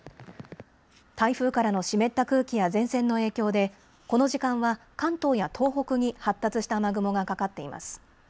台風からの湿った空気や前線の影響でこの時間は関東や東北に発達した雨雲がかかっています。